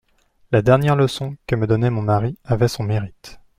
La dernière leçon que me donnait mon mari avait son mérite.